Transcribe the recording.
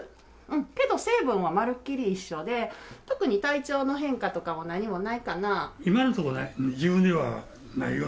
けど、成分はまるっきり一緒で、特に体調の変化とかは何もないか今のところない。